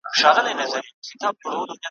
تا دا علم دی له چا څخه زده کړی ,